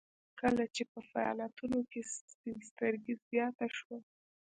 کله چې په فعاليتونو کې سپين سترګي زياته شوه.